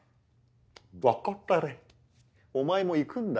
バカタレお前も行くんだよ。